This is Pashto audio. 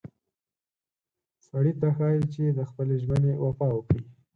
سړي ته ښایي چې د خپلې ژمنې وفا وکړي.